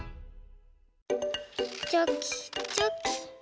チョキチョキ。